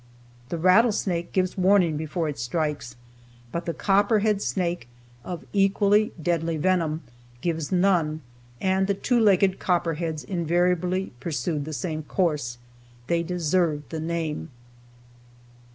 The rattlesnake gives warning before it strikes, but the copperhead snake, of equally deadly venom, gives none, and the two legged copperheads invariably pursued the same course. They deserved the name.